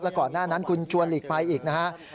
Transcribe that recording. แล้วก่อนหน้านั้นคุณจวนหลีกไปอีกนะฮะ